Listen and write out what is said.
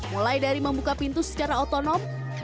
mulai dari membuka pintu secara otonom